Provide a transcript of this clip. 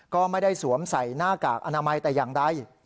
ก็ไม่ได้สวมใส่หน้ากากอนามัยแต่อย่างใด